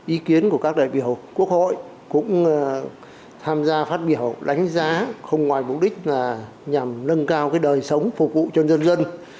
ý kiến của các đại biểu quốc hội cũng tham gia phát biểu đánh giá không ngoài mục đích là nhằm nâng cao đời sống phục vụ cho dân dân